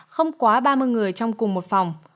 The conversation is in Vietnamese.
không quá ba mươi người trong cùng một phòng